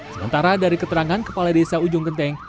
sementara dari keterangan kepala desa ujung genteng